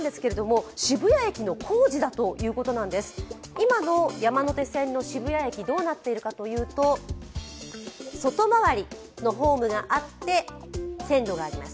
今の山手線の渋谷駅はどうなっているかというと外回りのホームがあって線路があります。